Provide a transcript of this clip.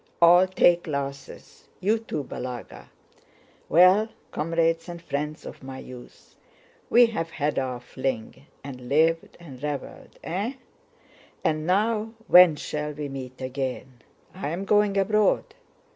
"All take glasses; you too, Balagá. Well, comrades and friends of my youth, we've had our fling and lived and reveled. Eh? And now, when shall we meet again? I am going abroad.